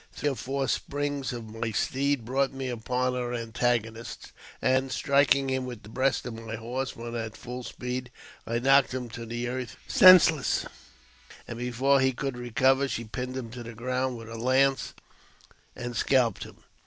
Three or four springs of my steed brought me upon her antagonist, and, striking him with the breast of my horse when at full speed, I knocked him to the earth senseless, and before he could recover, she pinned him to the ground with her lance and scalped him.